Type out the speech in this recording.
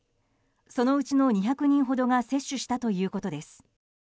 そのうちの２００人ほどが接種したということです。